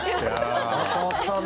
当たったね。